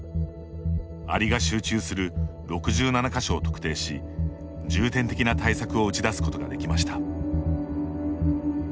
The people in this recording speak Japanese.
アリが集中する６７か所を特定し重点的な対策を打ち出すことができました。